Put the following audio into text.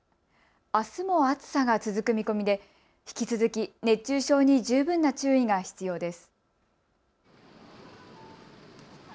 あすも暑さが続く見込みで引き続き熱中症に十分な注意が必要です。